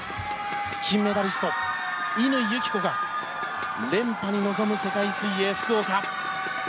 金メダリスト、乾友紀子が連覇に臨む世界水泳福岡。